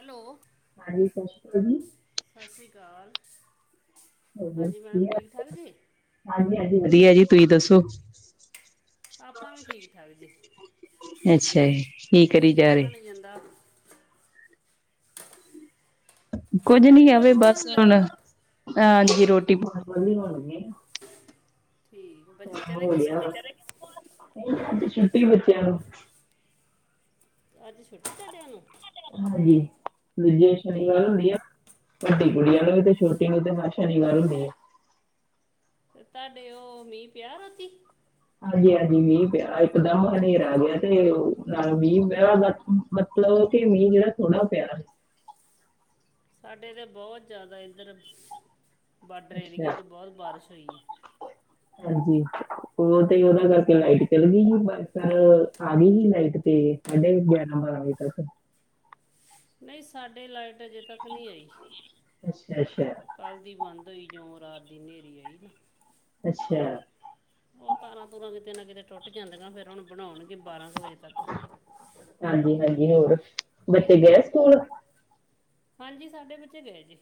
Hello ਹਾਂਜੀ, ਸਸ ਸ਼੍ਰੀ ਕਾਲ ਜੀ ਸਸ ਸ੍ਰੀ ਕਾਲ ਜੀ ਹਾਂਜੀ ਹਾਂਜੀ ਵਧੀਆ ਜੀ। ਤੁਹੀ ਦੱਸੋ। ਆਪਾਂ ਵੀ ਠੀਕ-ਠਾਕ ਜੀ। ਅੱਛਾ ਜੀ। ਕਰੀ ਜਾ ਕੀ ਰਹੇ ਬਨੀ ਜਾਂਦਾ? ਕੁੱਝ ਮੈਂ ਨੀ ਵੀ ਏਵੇ ਰੋਟੀ ਬਸ ਬਣਾਉਣ ਹੁਣ, ਲੱਗੀ [unintelligible] ਰਾਤ ਦੀ ਰੋਟੀ ਠੀਕ। ਬੱਚੇ ਟਾਈਮ ਚਲੇ ਹੋ ਗਏ ਗਿਆ ਵਾ। ਸਕੂਲ। ਅੱਜ ਛੁੱਟੀ ਬੱਚਿਆਂ ਨੂੰ ਅੱਜ ਛੁੱਟੀ ਤੁਹਾਡਿਆਂ ਨੂੰ। ਹਾਂਜੀ, ਦੂਜੇ ਸ਼ਨੀਵਾਰ ਹੁੰਦੀ ਆ ਠੀਕ ਵੱਡੀ ਗੁੜੀਆਂ ਨੂੰ ਵੀ ਤੇ ਛੋਟੀ ਨੂੰ ਤੇ ਹਰ ਸ਼ਨੀਵਾਰ ਹੁੰਦੀ ਹੈ। ਤੇ ਤੁਹਾਡੇ ਉਹ ਮੀਂਹ ਪਿਆ ਦਾ ਸੀ। ਹਾਂਜੀ ਹਾਂਜੀ ਮੀਂਹ ਪਿਆ, ਇਕਦਮ ਹਨੇਰਾ ਜਿਆ ਤੇ ਨਾਲ ਮੀਂਹ ਪਿਆ ਦਾ। ਮਤਲਬ ਕਿ ਮੀਂਹ ਜਿਹੜਾ ਥੋੜਾ ਪਿਆ। ਸਾਡੇ ਤਾਂ ਬਹੁਤ ਜ਼ਿਆਦਾ ਇੱਧਰ ਬਾਰਡਰ ਅੱਛਾ ਏਰੀਏ ਚ ਬਹੁਤ ਬਾਰਿਸ਼ ਹੋਈ। ਹਾਂਜੀ। ਉਹ ਤੇ ਉਹਨਾ ਕਰਕੇ ਲਾਈਟ ਚੱਲ ਗਈ ਸੀ ਪਰ ਫਿਰ ਆ ਗਈ ਸੀ ਲਾਈਟ ਤੇ ਇਹਡ ਬ ਨੰਬਰ ਆ ਗ ਤ ਸਰ [unintelligible] ਨਹੀਂ ਸਾਡੇ ਲਾਈਟ ਅਜੇ ਤੱਕ ਨਹੀਂ ਆਈ। ਅੱਛਾ ਅੱਛਾ। ਕੱਲ੍ਹ ਦੀ ਬੰਦ ਹੋਈ, ਜਿਉਂ ਰਾਤ ਦੀ ਹਨੇਰੀ ਆਈ ਨਾ। ਅੱਛਾ। ਉਹ ਤਾਰਾਂ ਤੁਰਾਂ ਵੀ ਨਾ ਕਿਤੇ ਟੁੱਟ ਜਾਂਦੀਆਂ, ਫੇਰ ਹੁਣ ਬਣਾਉਣਗੇ ਬਾਰਾਂ ਕੁ ਵਜੇ ਤੱਕ। ਹਾਂਜੀ ਹਾਂਜੀ, ਹੋਰ ਬੱਚੇ ਗਏ ਸਕੂਲ। ਹਾਂਜੀ ਸਾਡੇ ਬੱਚੇ ਗਏ ਜੀ।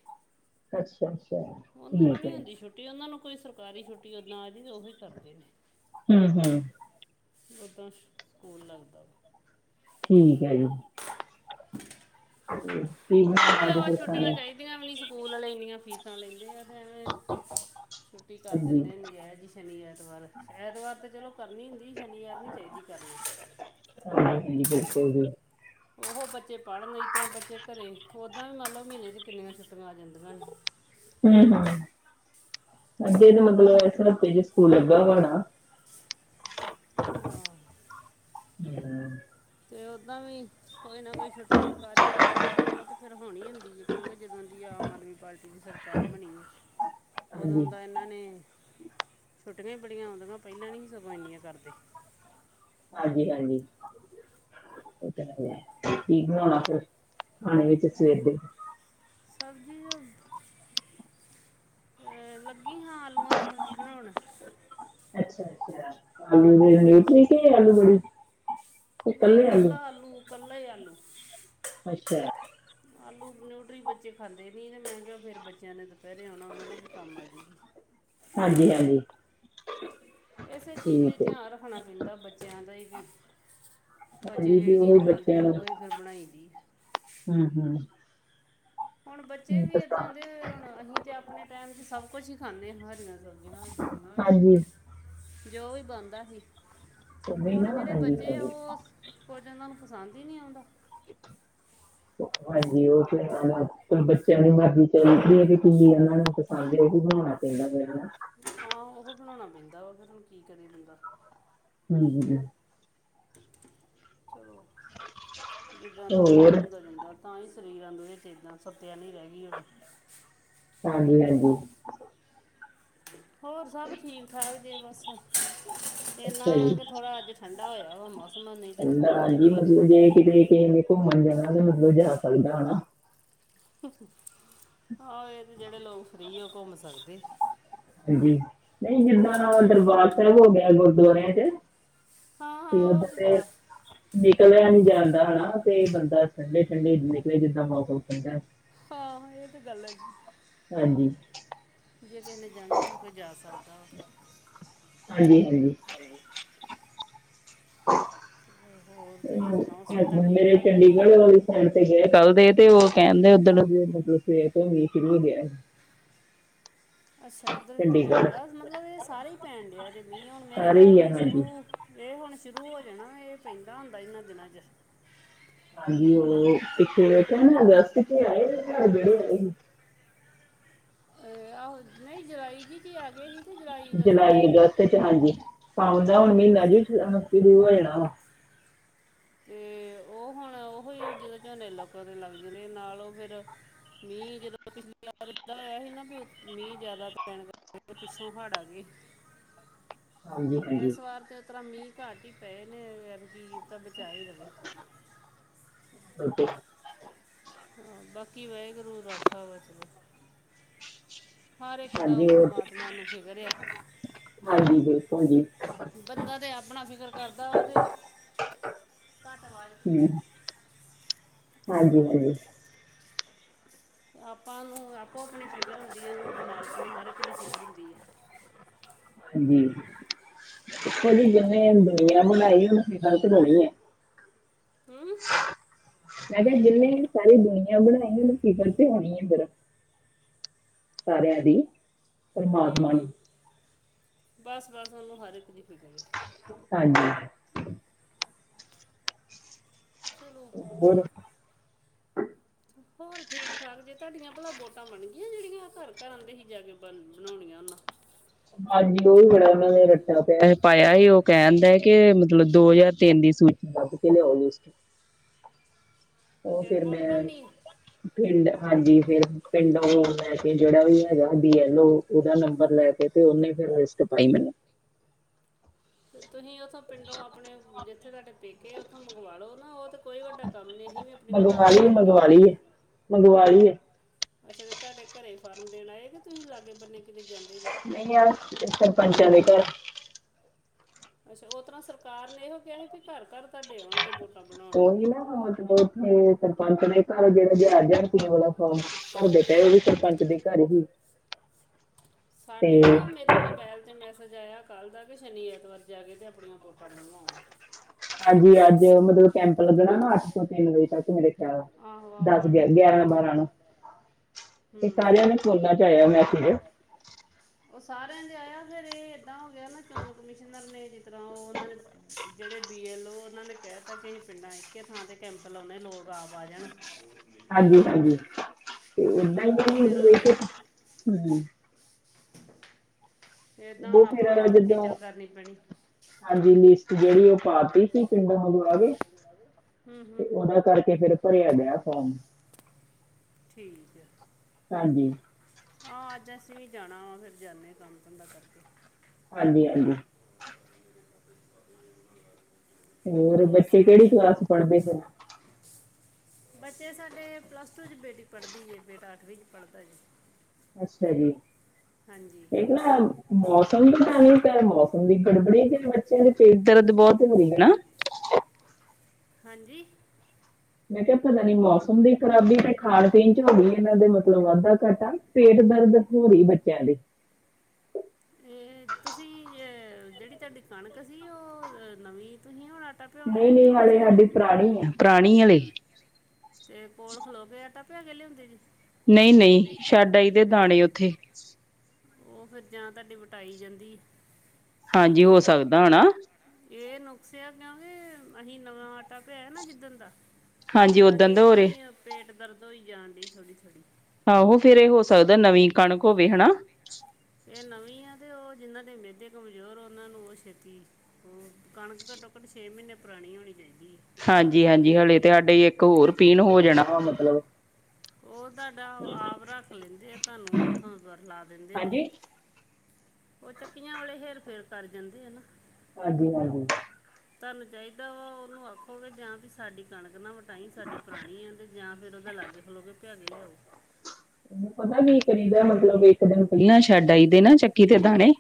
ਅੱਛਾ ਅੱਛਾ, ਉਹਨਾਂ ਨੂੰ ਠੀਕ ਨਹੀਂ ਹੈ। ਹੁੰਦੀ ਛੁੱਟੀ ਉਹਨਾਂ ਨੂੰ ਕੋਈ ਸਰਕਾਰੀ ਛੁੱਟੀ ਉਹ ਨਾ ਜੀ ਓਹੀ ਕਰਦੇ ਨੇ। ਹੂੰ ਹੂੰ ੳਦਾ ਸਕੂਲ ਲੱਗਦਾ ਠੀਕ ਹੈ ਜੀ। [inaudible] [inaudible] [unintelligible] ਵਧੀਆ ਵਾ [unintelligible] ਛੁੱਟੀਆਂ ਚਾਹੀਦੀਆਂ ਵੀ ਨਹੀ, ਸਕੂਲਾਂ ਆਲੇ ਇੰਨੀਆਂ ਫੀਸਾਂ ਲੈਂਦੇ ਆ, ਤੇ ਏਵੇਂ ਛੁੱਟੀ ਕਰ ਹਾਂਜੀ, ਦਿੰਦੇ ਨਜਾਇਜ ਈ। ਸ਼ਨੀ, ਐਤਵਾਰ। ਐਤਵਾਰ ਤੇ ਚਲੋ ਕਰਨੀ ਹੁੰਦੀ ਸ਼ਨੀਆਰ ਨਹੀਂ ਚਾਹੀਦੀ ਕਰਨੀ। [unintelligible] [unintelligible] ਉਹੋ ਬੱਚੇ ਪੜ‌ ਲੈਣ ਬੱਚੇ ਘਰੇ, ਓਦਾਂ ਵੀ ਮਤਲਬ ਮਹੀਨੇ ਚ ਕਿੰਨੀਆਂ ਛੁੱਟੀਆਂ ਆ ਜਾਂਦੀਆਂ ਨੇ। ਹੂੰ ਹੂੰ ਅਗੇ ਤੋਂ ਮਤਲਬ ਇਸ ਹਫ਼ਤੇ ਸਕੂਲ ਲੱਗਾ ਵਾ ਨਾ। ਹੂੰ ਤੇ ਉੱਦਾਂ ਵੀ ਕੋਈ ਨਾ ਕੋਈ ਛੁੱਟੀ ਸਰਕਾਰੀ ਆ ਜਾਂਦੀ ਆ, ਉਹ ਤੇ ਫੇਰ ਹੋਣੀ ਹੁੰਦੀ ਹੈ ਕਿਉਂਕਿ, ਜਦੋਂ ਦੀ ਆਮ ਆਦਮੀ ਪਾਰਟੀ ਦੀ ਸਰਕਾਰ ਬਣੀ ਏ। ਉਦੋਂ ਹਾਂਜੀ, ਦਾ ਇਹਨਾਂ ਨੇ ਛੁੱਟੀਆਂ ਹੀ ਬੜੀਆਂ ਆਉਂਦੀਆਂ, ਪਹਿਲਾਂ ਨਹੀਂ ਸੀ ਸਗੋਂ ਇੰਨੀਆਂ ਕਰਦੇ ਹਾਂਜੀ ਹਾਂਜੀ, ਉਹ ਤਾਂ ਹੈ। ਕੀ ਬਣਾਉਣਾ ਫਿਰ ਖਾਣੇ ਵਿੱਚ ਸਵੇਰ ਦੇ? ਸਬਜ਼ੀ ਆ ਏ ਲੱਗੀ ਹਾਂ, ਆਲੂਆਂ ਦੀ ਸਬਜ਼ੀ ਬਨਾਉਣ ਅੱਛ ਅੱਛਾ, ਹਾਂਜੀ ਬੱਚ ਆਲੂ-ਵੜੀ ਠੀਕ ਏ ਆਲੂ ਬੜੀ ਤੇ ਨਹੀਂ ਕੱਲੇ ਕੱਲਾ ਆਲੂ, ਕੱਲਾ ਈ ਆਲੂ ਅੱਛਾ। ਆਲੂ ਨਿਊਟਰੀ ਬੱਚੇ ਖਾਂਦੇ ਨੀ ਤੇ ਮੈਂ ਕਿਹਾ ਫੇਰ ਬੱਚਿਆਂ ਨੇ ਤੇ ਦੁਪਹਿਰੇ ਹੁਣ ਉਹਨਾਂ ਦੇ ਵੀ ਕੰਮ ਆਜੂਗੀ। ਹਾਂਜੀ ਹਾਂਜੀ। ਇਸੇ ਚੀਜ ਦਾ ਈ ਠੀਕ ਹੈ ਧਿਆਨ ਰੱਖਣਾ ਪੈਂਦਾ ਬੱਚਿਆਂ ਦਾ ਹੀ ਵੀ। ਬੱਚੇ ਹਾਂਜੀ ਵੀ ਜਿਹੜੀ ਚੀਜ਼ ਖਾਂਦੇ ਉਹ ਹੀ ਫੇਰ ਬਣਾਈ ਦੀ। ਹੁ-ਹੁ। ਹੁਣ ਬੱਚੇ ਵੀ ਏਦਾਂ ਦੇ ਹੁਣ ਅਹੀ ਤੇ ਆਪਣੇ ਟਾਈਮ ਚ ਸਭ ਕੁਛ ਹੀ ਖਾਂਦੇ ਹਰੀਆਂ ਸਬਜ਼ੀਆਂ। ਹਾਂਜੀ ਜੋ ਵੀ ਬਣਦਾ ਸੀ। ਉਹਨੇ ਨਾ ਹੁਣ ਜਿਹੜੇ ਹਾਂਜੀ ਬੱਚੇ ਹਾਂਜੀ ਉਹ ਕੁਝ ਇਹਨਾਂ ਪਸੰਦ ਹੀ ਨ੍ਹੀਂ ਆਉਂਦਾ। ਹਾਂਜੀ ਉਹ ਤੇ ਚ ਬੱਚਿਆਂ ਦੀ ਮਰਜ਼ੀ ਚੱਲਦੀ ਹੈ ਕਿ ਕੀ ਇਹਨਾਂ ਨੂੰ। ਹਾਂਜੀ ਓਹੀ ਬਨਾਉਣਾ ਚਾਹੀਦਾ ਫੇਰ ਹਾਂ ਉਹ ਬਣਾਉਣਾ ਪੈਂਦਾ ਵਾ ਫਿਰ ਹੁਣ ਕੀ ਕਰੇ ਬੰਦਾ। ਹਮ। ਹ। [unintelligible] ਚਲੋ ਜਿੱਦਾਂ ਦਾ ਮਾਹੌਲ ਹੋਰ ਹੁੰਦਾ ਜਾਂਦਾ। ਤਾਂ ਹੀ ਸਰੀਰਾਂ ਨੂੰ ਇਹ ਏਦਾਂ ਸਤਿਆ ਨਹੀਂ ਰਹਿਣੀ ਆ। ਹਾਂਜੀ-ਹਾਂਜੀ। ਹੋਰ ਸਭ ਠੀਕ-ਠਾਕ ਜੇ ਬਸ ਅੱਛਾ ਇੰਨਾ ਜੀ ਕਿ ਥੋੜ੍ਹਾ ਅੱਜ ਠੰਡਾ ਹੋਇਆ ਵਾ ਮੌਸਮ ਨਹੀਂ ਤੇ ਕਹਿੰਦਾ ਹਾਂਜੀ ਗਰਮੀ। ਮਤਲਬ ਜੇ ਕਿਧਰੇ ਦੇ ਏਨੇ ਘੁੰਮੋਣ ਜਾਣਾ ਤੇ ਮੈਨੂੰ ਵੀ ਲਜਾ ਸਕਦਾ। ਹਾਂ ਇਹ ਤੇ ਜਿਹੜੇ ਲੋਕ ਫ੍ਰੀ ਉਹ ਘੁੰਮ ਸਕਦੇ। ਹਾਂਜੀ ਨਹੀਂ ਜਿੱਦਾਂ ਦਾ ਦਰਬਾਰ ਸਾਹਿਬ ਹੋ ਗਿਆ ਗੁਰਦੁਆਰਿਆਂ ਚ ਹਾਂ ਹਾਂ ਇਹ ਉਹ ਉਧਹ ਤੇ। ਜਾ ਨਿਕਲਿਆ ਨਹੀਂ ਜਾਂਦਾ ਹਨਾ ਤੇ ਬੰਦਾ ਠੰਡੇ ਠੰਡੇ ਨਿਕਲੇ ਜਿੱਦਾਂ ਮੌਸਮ ਠੰਡਾ। ਹਾਂ ਇਹ ਤੇ ਗੱਲ ਹੈਗੀ। ਹਾਂਜੀ। ਜੇ ਕਿਸੇ ਨੇ ਜਾਣਾ ਹੋਵੇ ਤੇ ਜਾ ਸਕਦਾ। ਹਾਂਜੀ ਹਾਂਜੀ ਹੋਰ ਤੁਸੀਂ ਸੁਣਾਓ ਸਿਹਤਾਂ ਹੈਸਬੈਂਡ ਠੀਕ ਮੇਰੇ ਠਾਕ ਨੇ ਚੰਡੀਗੜ੍ਹ ਵਾ। ਗਏ ਕੱਲ ਦੇ ਤੇ ਉਹ ਕਹਿਣ ਦੇ ਉੱਧਰ ਮਤਲਬ ਸਵੇਰ ਤੋਂ ਮੀਂਹ ਸ਼ੁਰੂ ਹੋ ਗਿਆ ਸੀ। ਅੱਛਾ ਉੱਧਰ ਵੀ ਪੈਣ ਚੰਡੀਗੜ੍ਹ ਡਿਆ ਮਤਲਬ ਇਹ ਸਾਰੇ ਹੀ ਪੈਣ ਡਿਆ ਜੇ ਮੀਂਹ ਹੁਣ ਮੇਰੇ ਸਾਰੇ ਖਿਆਲ ਹੀ ਆ 'ਚ ਹਾਂਜੀ ਸ਼ੁਰੂ। ਇਹ ਹੁਣ ਸ਼ੁਰੂ ਹੋ ਜਾਣਾ ਇਹ ਪੈਂਦਾ ਹੁੰਦਾ ਇਹਨਾਂ ਦਿਨਾਂ ਚ। ਹਾਂਜੀ ਉਹਥੇ ਕਹਿਣੇ [unintelligible] ਆਏ। ਇਹ ਆਹੋ ਨਹੀਂ ਜਲਾਈ ਜੀ ਚ ਆ ਗਏ ਹੀ। ਤੇ ਅਗਸਤ 'ਚ ਜੁਲਾਈ ਅਗਸਤ ਚ ਹਾਂਜੀ ਪਾਉਂਦਾ ਹੁਣ ਆ ਮਹੀਨਾ ਚ ਅਗਸਤ ਸ਼ੁਰੂ ਹੋ ਜਾਣਾ ਵ ਤੇ ਉਹ ਹੁਣ ਓਹੋ ਈ ਜਿਦੋਂ ਝੋਨੇ ਲੋਕਾਂ ਦੇ ਲੱਗਦੇ ਨੇ ਨਾਲ ਉਹ ਫੇਰ। ਮੀਂਹ ਜਦੋਂ ਪਿਛਲੀ ਵਾਰ ਹੋਇਆ ਸੀ ਨਾ ਮੀਂਹ ਜਿਆਦਾ ਪੈਣ। ਪਿੱਛੋਂ ਹਾੜ ਆ ਗੇ ਹਾਂਜੀ ਹਾਂਜੀ ਇਸ ਵਾਰ ਤੇ ਓ ਤਰਾ ਮੀਂਹ ਘੱਟ ਹੀ ਪਏ ਨੇ ਐਦਕੀ ਤਾ ਬਚਾ ਹੀ ਰਵੇ। ਬਟ। [unintelligible] ਹਾਂ ਬਾਕੀ ਵਾਹਿਗੁਰੂ ਰਾਖਾ ਵਾ ਚਲੋ। ਹਰ ਇੱਕ ਦਾ ਉਹ ਹਾਂਜੀ ਓਕੇ ਪਰਮਾਤਮਾ ਨੂੰ ਫਿਕਰੇ ਆ ਹਾਂਜੀ ਬਿਲਕੁਲ ਜੀ ਬੰਦਾ ਤੇ ਆਪਣਾ ਫਿਕਰ ਕਰਦਾ ਵਾ ਤੇ। ਘੱਟ ਵਾਦ। ਹਾਂਜੀ-ਹਾਂਜੀ। ਆਪਾਂ ਨੂੰ ਆਪੋ ਆਪਣੀ ਫਿਕਰ ਹੁੰਦੀ ਹੈ ਉਹਨੂੰ ਮਾਲਕ ਨੂੰ ਹਰ ਇੱਕ ਦੀ ਫਿਕਰ ਹੁੰਦੀ ਹੈ। ਹਾਂਜੀ ਜਿਨੇ ਜਿੰਨੇ ਦੁਨੀਆ ਬਣਾਈ ਉਹਨੂੰ ਫ਼ਿਕਰ ਤੇ ਹੋਣੀ ਐ। ਹਮ। ਮੈਂ ਕਿਹਾ ਜਿੰਨੇ ਸਾਰੀ ਦੁਨੀਆਂ ਬਣਾਈ ਉਹਨੂੰ ਫਿਕਰ ਤੇ ਹੋਣੀ ਹੈ ਫੇਰ। ਸਾਰਿਆਂ ਦੀ। ਪਰਮਾਤਮਾ ਹਮ ਹਮ ਨੂੰ ਬਸ ਬਸ ਉਹਨੂੰ ਹਰ ਇੱਕ ਦੀ ਫਿਕਰ ਏ। ਹਾਂਜੀ। ਚਲੋ। ਹੋਰ। ਹੋਰ ਠੀਕ ਠਾਕ ਜੇ ਤੁਹਾਡੀਆਂ ਭਲਾ ਵੋਟਾਂ ਬਣ ਗਈਆਂ ਜਿਹੜੀਆਂ ਘਰ ਘਰ ਆਉਂਦੇ ਸੀ ਜਾ ਕੇ ਬ ਬਣਾਉਣੀਆਂ ਉਹਨਾਂ। ਹਾਂਜੀ ਉਹ ਵੀ ਬੜਾ ਉਹਨਾਂ ਨੇ ਰੱਟਾ ਪਿਆ ਪਾਇਆ ਹੀ ਉਹ ਕਹਿਣਦੇ ਕਿ ਮਤਲਬ ਦੋ ਹਜ਼ਾਰ ਤਿੰਨ ਦੀ ਸੂਚੀ। ਕੱਢ ਕੇ ਲਿਆਉ ਵੀ ਸੀ। ਉਹ ਫਿਰ ਵੋਟ ਮੈਂ ਬਣਨੀ ਹੈ। ਪਿੰਡ ਹਾਂਜੀ ਫਿਰ। ਪਿੰਡ ਫੇਰ ਲੈ ਕੇ ਜਿਹੜਾ ਵੀ ਹੈਗਾ ਬੀ ਐਲ ਓ ਉਹਦਾ ਨੰਬਰ ਲੈ ਕੇ ਤੇ ਉਹਨੇ ਫਿਰ ਲਿਸਟ ਪਾਈ ਮੈਨੂੰ। ਤੁਸੀਂ ਉੱਥੋਂ ਪਿੰਡੋਂ ਆਪਣੇ ਜਿੱਥੇ ਤੁਹਾਡੇ ਪੇਕੇ ਉੱਥੋਂ ਮੰਗਵਾ ਲਉ ਨਾ ਉਹ ਤਾਂ। ਕੋਈ ਵੱਡਾ ਕੰਮ ਨਹੀਂ ਸੀ। ਅਸੀਂ ਵੀ ਆਪਣੀ ਮੰਗਵਾ ਨਨਾਨ ਦੀ ਲਈ ਘੱਲੀ ਮੰਗਵਾ ਲਈ ਏ ਆ। ਮੰਗਵਾ ਲਈ ਏ ਅੱਛਾ ਅਤੇ ਤੁਹਾਡੇ ਘਰ ਫਾਰਮ ਦੇਣ ਆਏ। ਕਿ ਤੁਸੀਂ ਲਾਗੇ ਬੰਨੇ ਕਿਤੇ ਜਾਂਦੇ ਜੇ। ਨਹੀਂ ਅਸੀਂ ਸਰਪੰਚਾਂ ਦੇ ਘਰ। ਅੱਛਾ ਉਹ ਤਰ੍ਹਾਂ ਸਰਕਾਰ ਨੇ ਇਹੋ ਕਿਹਾ ਸੀ ਵੀ ਘਰ ਘਰ ਤੁਹਾਡੇ ਆਉਣਗੇ ਵੋਟਾਂ। ਬਣਾਉਣ ਉਹੀ ਨਾ ਮਤਲਬ ਉੱਥੇ ਸਰਪੰਚ ਨੇ ਘਰ ਜਿਹੜਾ ਜਹਾ ਗਿਆਣੇ ਵਾਲਾ। ਹਾਂ ਸਾਡੇ ਕਹਿ ਰਹੇ ਸੀ ਵੀ ਸਰਪੰਚ ਦੇ ਘਰ ਹੀ। ਤੇ ਸਾਡੇ ਨਾ ਮੇਰੇ। ਪਹਿਲ ਤੇ ਮੈਸੇਜ ਆਇਆ ਕੱਲ ਦਾ ਕਿ ਸ਼ਨੀਵਾਰ ਐਤਵਾਰ ਜਾ ਕੇ ਤੇ ਆਪਣੀਆਂ ਵੋਟਾਂ ਬਣਵਾਓ। ਹਾਂਜੀ ਅੱਜ ਮਤਲਬ ਕੈਂਪ ਲੱਗਣਾ ਨਾ ਅੱਠ ਤੋਂ ਤਿੰਨ ਵਜੇ ਤੱਕ। ਮੇਰੇ। ਖਿਆਲ। ਆਹੋ ਦਸ। ਆਹੋ, ਅੱਠ ਗਿਆ। ਤੋਂ ਗਿਆਰਾਂ। ਬਾਰਾਂ। ਨੂੰ। ਇਹ। ਸਾਰਿਆਂ। ਹੂੰ ਨੂੰ। ਸੁੋਣਣਾ। ਚਾਹਹੀਿਆ। ਮੈਂ। ਫਿਰ। ਉਹ। ਸਾਰਿਆਂ। ਦੇ। ਆਇਆ। ਫਿਰ। ਇਹ। ਏਦਾਂ। ਹੋ। ਗਿਆ। ਨਾ। ਚੋਣ। ਕਮਿਸ਼ਨਰ। ਨੇ। ਜਿਸ। ਤਰ੍ਹਾਂ। ਉਹ। ਉਹਨਾਂ। ਨੇ। ਜਿਹੜੇ ਬੀ ਐਲ ਓ ਉਹਨਾਂ ਨੇ ਕਹਿ ਦਿੱਤਾ ਕਿ ਅਸੀਂ ਪਿੰਡਾਂ ਇੱਕ ਥਾਂ ਤੇ ਕੈਂਪ ਲਾਉਂਣੇ ਲੋਕ ਆ ਆ ਜਾਣ। ਹਾਂਜੀ ਹਾਂਜੀ ਤੇ ਤੇ ਏਦਾਂ ਉਹ ਫਿਰ ਹੀ ਹੂੰ। ਏਦਾਂ ਉਹ ਹੁਣ ਆਪਾਂ ਨੂੰ ਫਿਰ ਆਪ ਜਿੱਦਾਂ ਖੇਚਲ ਕਰਨੀ ਪੈਣੀ। ਹਾਂਜੀ ਲਿਸਟ ਜਿਹੜੀ ਉਹ ਪਾ ਤੀ। ਅਸੀਂ ਪਿੰਡੋ ਆਉਂਦੇ ਆ ਗਏ ਹੂੰ ਤੇ ਹੂੰ ਉਹਦਾ ਕਰਕੇ ਫਿਰ ਭਰਿਆ ਗਿਆ ਫੌਮ। ਠੀਕ ਹੈ। ਹਾਂਜੀ। ਹਾਂ ਅੱਜ ਅਸੀਂ ਵੀ ਜਾਣਾ ਵਾ ਫੇਰ ਜਾਂਦੇ ਹਾਂ ਕੰਮ ਧੰਦਾ ਕਰਕੇ। ਹਾਂਜੀ ਹਾਂਜੀ। ਹੂੰ ਹੂੰ ਹੂੰ। ਹੋਰ ਬੱਚੇ ਕਿਹੜੀ ਕਲਾਸ 'ਚ ਪੜ੍ਹਦੇ ਪਏ ਨੇ। ਹੂੰ। ਬੱਚੇ ਸਾਡੇ ਪਲੱਸ ਟੂ 'ਚ ਬੇਟੀ ਪੜ੍ਹਦੀ ਜੇ ਬੇਟਾ ਅੱਠਵੀਂ 'ਚ ਪੜ੍ਹਦਾ ਜੀ। ਅੱਛਾ ਜੀ। ਹਾਂਜੀ ਨਾ ਮੌਸਮ ਤਾਂ ਤਾਂ ਨਹੀਂ ਮੌਸਮ ਦੀ ਗੜਬੜੀ ਤੇ ਬੱਚਿਆਂ ਦੇ ਪੇਟ ਦਰਦ ਬਹੁਤ ਹੋ ਰਹੀ ਹਨਾ। ਹੈ। ਹਾਂਜੀ। ਮੈਂ ਕਿਹਾ ਪਤਾ ਨੀ ਮੌਸਮ ਦੀ ਖ਼ਰਾਬੀ ਤੇ ਖਾਣ ਪੀਣ 'ਚ ਹੋ ਹੀ ਜਾਂਦਾ ਮਤਲਬ ਵਾਧਾ ਘਾਟਾ। ਪੇਟ ਦਰਦ ਹੋ ਰਹੀ ਬੱਚਿਆਂ ਦੀ। ਇਹ ਤੁਸੀਂ ਜਿਹੜੀ ਤੁਹਾਡੀ ਕਣਕ ਸੀ। ਉਹ ਨਵੀਂ ਤੁਸੀਂ ਹੁਣ ਆਟਾ। ਭਿਉਣ ਨਹੀਂ ਡਏ ਕਿ ਨਹੀਂ ਹਾਲੇ ਪਿਛਲੇ ਸਾਡੀ ਪੁਰਾਣੀ ਹੈ। ਪੁਰਾਣੀ ਹਲੇ। ਤੇ ਕੋਲ ਖਲੋ ਕੇ ਆਟਾ ਪਿਆ ਕੇ ਲਿਆਉਂਦੀ ਜੀ। ਨਹੀਂ ਨਹੀਂ ਛੱਡ ਆਈ ਦੇ ਦਾਣੇ ਉੱਥੇ। ਉਹ ਫਿਰ ਜਾਂ ਤੁਹਾਡੀ ਵਟਾਈ ਜਾਂਦੀ ਹੈ। ਹਾਂਜੀ ਹੋ ਸਕਦਾ ਹਨਾ। ਇਹ ਨੁਕਸਿਆ ਕਿਉਂਕਿ ਅਸੀਂ ਨਵਾਂ ਆਟਾ ਪਿਆ ਨਾ ਜਿੱਦਣ ਦਾ। ਹਾਂਜੀ ਸਾਡੇ ਓਦਣ ਦਾ ਹੋ ਏਦਾਂ ਰਹੇ ਹੀ ਪੇਟ ਦਰਦ ਹੋਈ ਜਾਣ ਡੀ ਥੋੜੀ ਥੋੜ੍ਹੀ। ਆਹੋ ਫੇਰ ਇਹ ਹੋ ਸਕਦਾ ਨਵੀਂ ਕਣਕ ਹੋਵੇ ਹਨਾ। ਇਹ ਨਵੀਂ ਆ ਤੇ ਉਹ ਜਿੰਨ੍ਹਾਂ ਦੇ ਮਿਹਦੇ ਕਮਜ਼ੋਰ ਉਹਨਾਂ ਨੂੰ ਉਹ ਛੇਤੀ। ਉਹ ਕਣਕ ਘੱਟੋ ਘੱਟ ਛੇ ਮਹੀਨੇ ਪੁਰਾਣੀ ਹੋਣੀ ਚਾਹੀਦੀ ਹੈ। ਹਾਂਜੀ, ਹਾਂਜੀ ਹਲੇੇ ਤੇ ਸਾਡੇ ਇੱਕ ਹੋਰ ਪੀਣ ਹੋ ਜਾਣਾ ਵਾ ਮਤਲਬ ਉਹ ਤੁਹਾਡਾ ਆਪ ਰੱਖ ਲੈਂਦੇ ਆ, ਤੁਹਾਨੂੰ ਉੱਥੋਂ ਬਰਲਾ ਦਿੰਦੇ ਨੇ। ਹਾਂਜੀ ਉਹ ਚੱਕੀਆਂ ਵਾਲਲੇ ਹੇਰ ਫੇਰ ਕਰ ਜਾਂਦੇ ਹਨ ਨਾ। ਹਾਂਜੀ, ਹਾਂਜੀ ਤੁਹਾਨੂੰ ਚਾਹੀਦਾ ਵਾ ਉਹਨੂੰ ਆਖੋਗੇ ਜਾਂ ਵੀ ਸਾਡੀ ਕਣਕ ਨਾ ਤਾਂ ਹੀ ਸਾਡੀ ਪੁਰਾਣੀ ਆ ਤੇ ਜਾਂ ਫੇਰ ਉਹਦੇ ਲਾਗੇ ਖਲੋ ਕੇ ਭਿਆਕੇ ਲਿਆਓ। ਉਹਨੂੰ ਪਤਾ ਵੀ ਇਹ ਕਰੀ ਦਾ ਮਤਲਬ ਇੱਕ ਦਿਨ ਪਹਿਲਾਂ ਛੱਡ ਆਈ, ਤੇ ਨਾ ਚੱਕੀ ਤੇ ਦਾਣੇ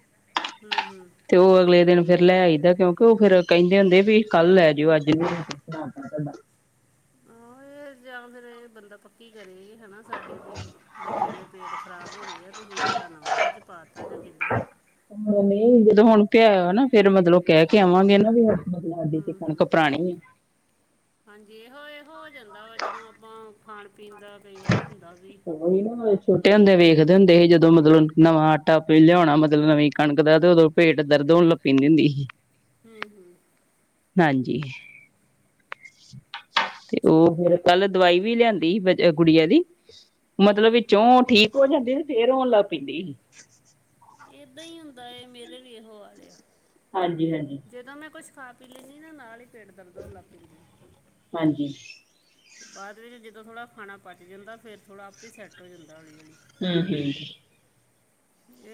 ਹੂੰ ਹੂੰ ਤੇ ਉਹ ਅਗਲੇ ਦਿਨ, ਫੇਰ ਲੈ ਆਈਦਾ, ਕਿਉਂਕਿ ਉਹ ਫਰ ਕਹਿੰਦੇ ਹੁੰਦੇ, ਵੀ ਕੱਲ ਲੈ ਜਾਓ ਅੱਜ ਵੀ [inaudible] [inaudible] ਆਹੋ ਇਹ, ਯਾਦ ਰਹੇ, ਬੰਦਾ ਪੱਕੀ ਕਰੇ। ਹਨਾ ਸਾਡੇ ਵੀ ਬੱਚਿਆਂ ਦੇ ਪੇਟ ਖ਼ਰਾਬ ਹੋ ਗਏ ਆ, ਤੁਸੀਂ ਆਟਾ ਨਵਾਂ ਵਿੱਚ ਪਾਤਾ ਜਾਂ ਕਿੱਦਾਂ। ਹੁਣ ਨਹੀਂ, ਜਦੋਂ ਹੁਣ ਪਿਆਇ ਨਾ, ਫੇਰ ਮਤਲਬ ਕਹਿ ਕੇ ਆਵਾਂਗੇ ਨਾ ਵੀ ਬਦਲਾ ਦੀ, ਤੇ ਹੂੰ ਕਣਕ ਹੂੰ ਪੁਰਾਣੀ ਏ।। ਹਾਂਜੀ ਇਹੋ, ਇਹੋ ਹੋ ਜਾਂਦਾ ਵਾ, ਜਦੋਂ ਆਪਾਂ ਖਾਣ ਪੀਣ ਦਾ ਕਈ ਵਾਰ ਹੁੰਦਾ ਵੀ ਉਹੀ ਨਾ, ਛੋਟੇ ਹੁੰਦੇ ਵੇਖਦੇ ਹੁੰਦੇ ਸੀ, ਜਦੋਂ ਮਤਲਬ ਨਵਾਂ ਆਟਾ ਪੀ ਲਿਆ ਹੋਣਾ, ਮਤਲਬ ਨਵੀਂ ਕਣਕ ਦਾ ਤੇ ਉਦੋਂ ਪੇਟ ਦਰਦ, ਹੋਣ ਲੱਗ ਪੈਦੀ ਹੁੰਦੀ ਸੀ। ਹੂੰ ਹੂੰ। ਹਾਂਜੀ, ਤੇ ਚਲੋ ਉਹ ਫਿਰ ਕੱਲ, ਦਵਾਈ ਵੀ ਲਿਆਂਦੀ ਸੀ ਗੁੜੀਆਂ ਦੀ, ਹੂੰ ਮਤਲਬ ਹੂੰ ਵੀਚੋਂ ਠੀਕ ਥੋੜੀ ਹਟਦੀ, ਫੇਰ ਰੋਣ ਲੱਗ ਪੈਂਦੀ ਏ ਏਦਾਂ ਹੀ ਹੁੰਦਾ ਹੈ, ਮੇਰੇ ਵੀ ਇਹੋ ਵਾਲੇ ਆ। ਹਾਂਜੀ, ਹਾਂਜੀ ਜਦੋਂ ਮੈਂ, ਕੁੱਛ ਖਾ ਪੀ ਲੈਂਦੀ ਨਾ ਨਾਲ ਹੀ, ਪੇਟ ਦਰਦ ਹੋਣ ਲੱਗ ਪੈਂਦਾ ਹਾਂਜੀ। ਬਾਅਦ ਵਿੱਚ, ਜਦੋਂ ਥੋੜ੍ਹਾ ਖਾਣਾ ਪਚ ਜਾਂਦਾ, ਫਿਰ ਥੋੜ੍ਹਾ ਆਪੇ ਹੀ ਸੈੱਟ ਏ ਹੁੰਦਾ ਹੌਲੀ-ਹੌਲੀ ਹਮ ਹਮ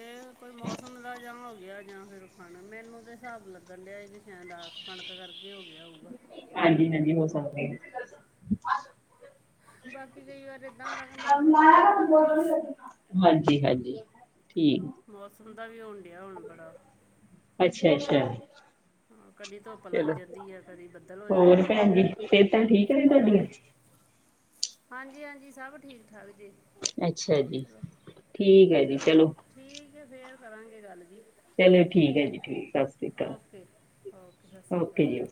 ਇਹ ਕੋਈ ਮੌਸਮ ਦਾ ਜਹਾਂ ਹੋ ਗਿਆ ਜਾਂ ਫੇਰ, ਖਾਣਾ ਮੈਨੂੰ ਤੇ ਹਿਸਾਬ ਲੱਗਣ ਡਿਆ ਕਿ, ਸ਼ਾਇਦ ਕਣਕ ਕਰਕੇ, ਹੋ ਗਿਆ ਹੋਊਗਾ। ਹਾਂਜੀ, ਹਾਂਜੀ ਹੋਰ ਸੱਬ ਠੀਕ? ਬਾਕੀ ਕਈ ਵਾਰ ਇਦਾਂ ਹੁੰਦਾ ਕਿ ਮੌਸਮ ਦਾ ਵੀ ਹੋ ਜਾਂਦਾ ਥੋੜਾ ਹਾਂਜੀ, ਹਾਂਜੀ [inaudible] ਠੀਕ। ਮੌਸਮ ਦਾ ਵੀ, ਹੋਣ ਡਿਆ ਹੁਣ ਬੜਾ ਅੱਛਾ, ਅੱਛਾ। ਹਾਂ, ਕਦੀ ਧੁੱਪ ਲੱਗ ਚਲੋ ਜਾਂਦੀ ਆ, ਕਦੀ ਬੱਦਲ ਹੋ ਹੋਰ ਜਾਂਦਾ ਵਾ। ਭੈਣ ਜੀ ਸਿਹਤਾਂ ਠੀਕ ਆ ਤੁਹਾਡੀਆਂ? ਹਾਂਜੀ, ਹਾਂਜੀ ਸਭ ਠੀਕ ਠਾਕ ਜੇ ਅੱਛਾ ਜੀ ਚਲੋ, ਠੀਕ ਹੈ ਜੀ ਚਲੋ। ਠੀਕ ਹੈ, ਫੇਰ ਕਰਾਂਗੇ ਗੱਲ ਜੀ। ਚਲੋ ਠੀਕ ਹੈ ਜੀ ਠੀਕ ਸਤਿ ਸ੍ਰੀ ਅਕਾਲ okay, okay Sat Sri okay ਜੀ ਅਕਾਲ। ਓਕੇ